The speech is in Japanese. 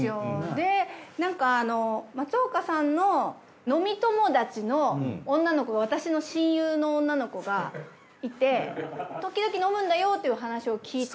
でなんかあの松岡さんの飲み友達の女の子が私の親友の女の子がいてときどき飲むんだよっていう話を聞いて。